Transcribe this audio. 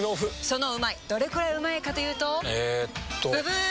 そのうまいどれくらいうまいかというとえっとブブー！